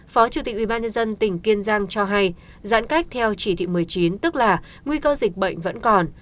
phó chủ tịch ubnd tỉnh kiên giang cho hay giãn cách theo chỉ thị một mươi chín tức là nguy cơ dịch bệnh vẫn còn